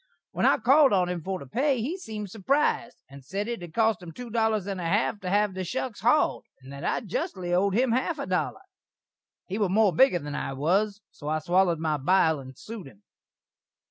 When I called on him for the pay, he seemed surprised, and sed it had cost him two dollars and a half to hav the shuks hauld, and that I justly owd him a half a dollar. He were more bigger than I was, so I swallered my bile and sued him.